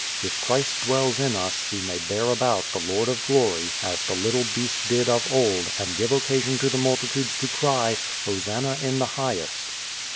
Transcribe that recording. If Christ dwells in us we may bear about the Lord of glory as the little beast did of old and give occasion to the multitudes to cry, "Hosanna in the highest."